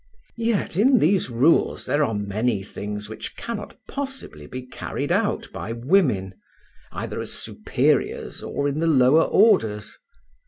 Yet in these rules there are many things which cannot possibly be carried out by women, either as superiors or in the lower orders.